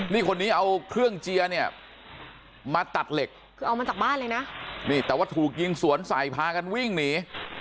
นี่คนนี้เอาเครื่องเจียร์เนี่ยมาตัดเหล็กคือเอามาจากบ้านเลยนะนี่แต่ว่าถูกยิงสวนใส่พากันวิ่งหนี